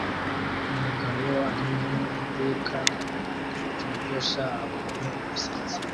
Umugabo ari mu iduka ryogosha abonye umusatsi